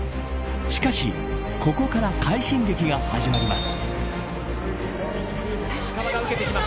しかしここから快進撃が始まります。